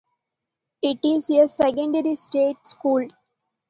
It is a secondary state school.